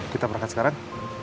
kita berangkat sekarang